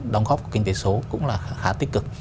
đóng góp của kinh tế số cũng là khá tích cực